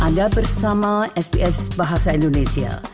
anda bersama sps bahasa indonesia